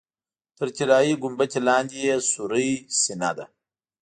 تر طلایي ګنبدې لاندې یې سورۍ سینه ده.